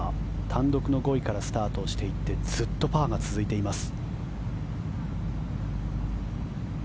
単独の５位からスタートしていってずっとパーが続いています。